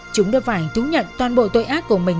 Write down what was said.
chúng đã phải thú nhận toàn bộ tội ác của mình